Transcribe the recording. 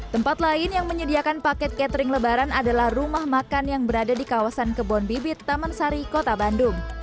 tempat lain yang menyediakan paket catering lebaran adalah rumah makan yang berada di kawasan kebon bibit taman sari kota bandung